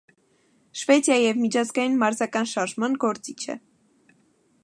Շվեդիայի և միջազգային մարզական շարժման գործիչ է։